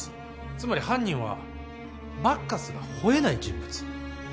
つまり犯人はバッカスが吠えない人物。